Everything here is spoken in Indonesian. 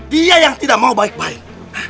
dia yang tidak mau baik baik